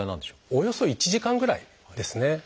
おおよそ１時間ぐらいですね。